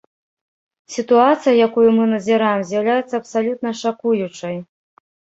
Сітуацыя, якую мы назіраем, з'яўляецца абсалютна шакуючай!